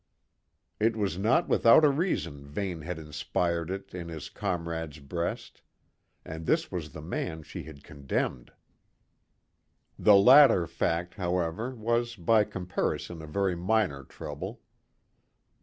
It was not without a reason Vane had inspired it in his comrade's breast; and this was the man she had condemned. The latter fact, however, was by comparison a very minor trouble.